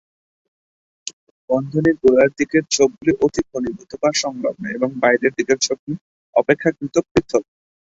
বন্ধনীর গোড়ার দিকের ছোপগুলি অতি ঘনীভূত বা সংলগ্ন এবং বাইরের দিকের ছোপগুলি অপেক্ষাকৃত পৃথক।